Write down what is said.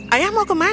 ayah mau ke sana